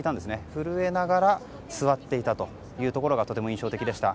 震えながら座っていたというところがとても印象的でした。